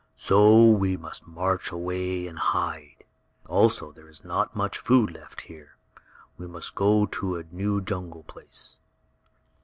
So we must march away and hide. Also there is not much food left here. We must go to a new jungle place."